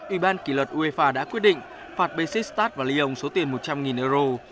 ủy ban kỳ luật uefa đã quyết định phạt besiktas và lyon số tiền một trăm linh euro